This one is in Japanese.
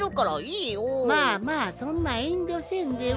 まあまあそんなえんりょせんでも。